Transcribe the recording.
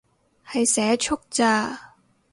係社畜咋